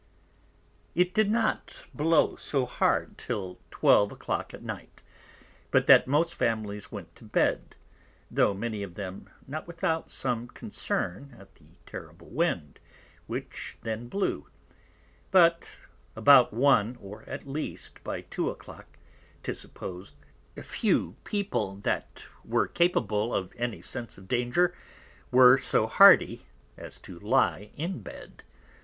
It did not blow so hard till Twelve a Clock at Night, but that most Families went to Bed; though many of them not without some Concern at the terrible Wind, which then blew: But about One, or at least by Two a Clock, 'tis suppos'd, few People, that were capable of any Sense of Danger, were so hardy as to lie in Bed.